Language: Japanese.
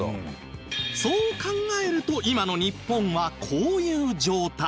そう考えると今の日本はこういう状態